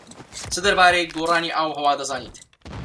چی دەربارەی گۆڕانی ئاووهەوا دەزانیت؟